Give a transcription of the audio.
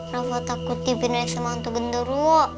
rafa takut dipindahin sama gondoruo